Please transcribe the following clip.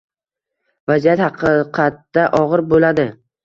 vaziyat haqiqatda og‘ir bo‘ladi.